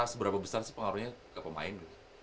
seberapa besar sih pengaruhnya ke pemain